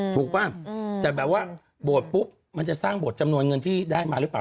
ป่ะแต่แบบว่าโบสถ์ปุ๊บมันจะสร้างโบสถจำนวนเงินที่ได้มาหรือเปล่า